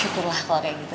syukurlah kalo kayak gitu